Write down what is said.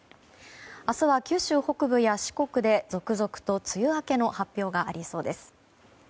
明日は九州北部や四国で続々と梅雨明けの発表がありそうです。